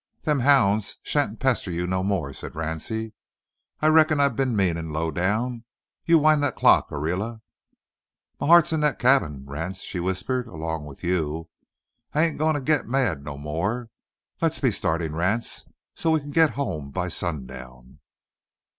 "Them hounds shan't pester you no more," said Ransie. "I reckon I been mean and low down. You wind that clock, Ariela." "My heart hit's in that cabin, Ranse," she whispered, "along 'ith you. I ai'nt a goin' to git mad no more. Le's be startin', Ranse, so's we kin git home by sundown."